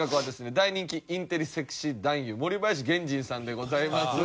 大人気インテリセクシー男優森林原人さんでございます。